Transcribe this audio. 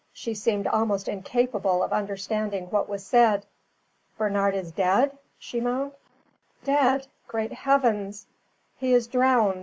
She seemed almost incapable of understanding what was said. "Bernard is dead!" she moaned. "Dead! Great Heavens!" "He is drowned.